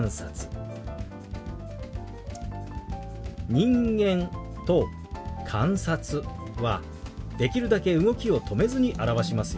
「人間」と「観察」はできるだけ動きを止めずに表しますよ。